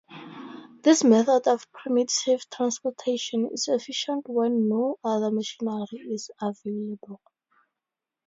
This method of primitive transportation is efficient when no other machinery is available.